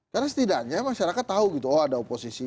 karena setidaknya masyarakat tahu gitu oh ada oposisi